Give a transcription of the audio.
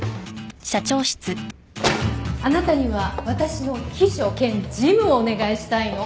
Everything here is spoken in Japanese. あなたには私の秘書兼事務をお願いしたいの。